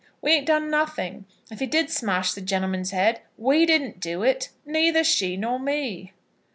We ain't done nothing. If he did smash the gen'leman's head, we didn't do it; neither she nor me."